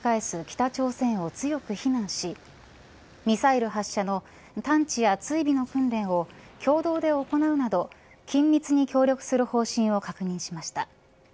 北朝鮮を強く非難しミサイル発射の探知や追尾の訓練を共同で行うなど緊密に協力する方針を確認しました。